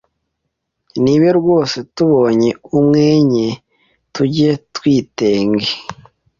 Nibe rwose tubonye umwenye tujye twitenge